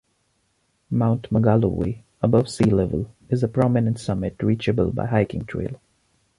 Mount Magalloway, above sea level, is a prominent summit reachable by hiking trail.